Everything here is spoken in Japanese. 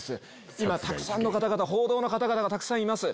今たくさんの方々報道の方々がたくさんいます。